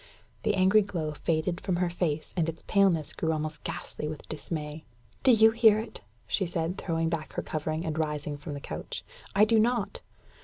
The angry glow faded from her face, and its paleness grew almost ghastly with dismay. "Do you hear it?" she said, throwing back her covering, and rising from the couch. "I do not."